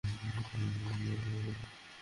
তাঁর শরীর এইজন্যেই বুঝিবা ভেঙে পড়ল।